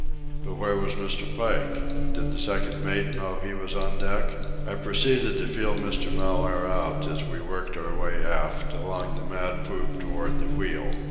But where was Mr. Pike? Did the second mate know he was on deck? I proceeded to feel Mr. Mellaire out as we worked our way aft, along the mad poop toward the wheel.